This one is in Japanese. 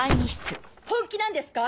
本気なんですか？